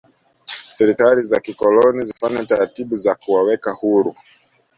serikali za kikoloni zilipofanya taratibu za kuwaweka huru